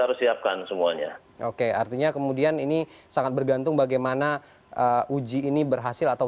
harus siapkan semuanya oke artinya kemudian ini sangat bergantung bagaimana uji ini berhasil atau